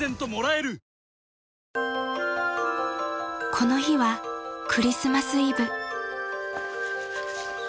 ［この日はクリスマスイブ］